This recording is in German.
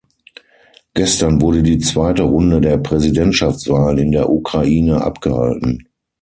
Gestern wurde die zweite Runde der Präsidentschaftswahlen in der Ukraine abgehalten.